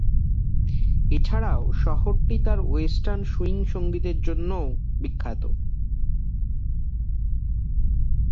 এছাড়াও শহরটি তার ওয়েস্টার্ন সুইং সঙ্গীতের জন্যও বিখ্যাত।